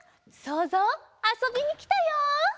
そうぞうあそびにきたよ！